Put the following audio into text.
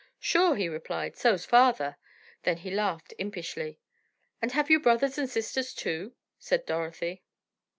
"Sure," he replied, "so's father." Then he laughed impishly. "And have you brothers and sisters, too?" said Dorothy.